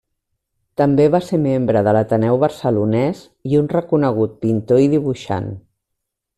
També va ser membre de l'Ateneu Barcelonès i un reconegut pintor i dibuixant.